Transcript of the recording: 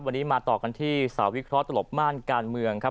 วันนี้มาต่อกันที่สาวิเคราะหลบม่านการเมืองครับ